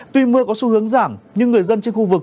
tuy mưa có xu hướng giảm nhưng người dân trên khu vực